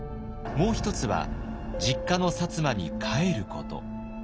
もう一つは実家の薩摩に帰ること。